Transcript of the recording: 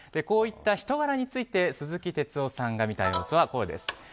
こういった人柄について鈴木哲夫さんが見た様子です。